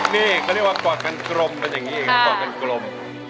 นี่เขาเรียกว่ากอดกันกลมเป็นอย่างนี้เองกอดกันกลม